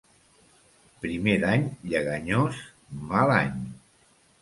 Primer d'any lleganyós, mal any.